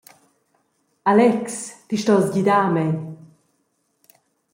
Alex, ti stos gidar mei!